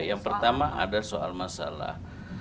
yang pertama ada soal masalah